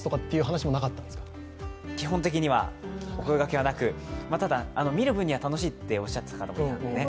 基本的にはお声がけはなく見る分には楽しいっていうふうにおっしゃっていた方多かったですね。